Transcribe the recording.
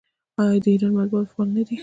آیا د ایران مطبوعات فعال نه دي؟